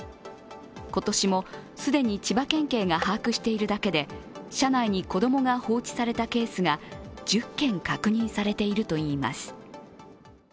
今年も既に、千葉県警が把握しているだけで車内に子供が放置されたケースが１０件確認されているといいます。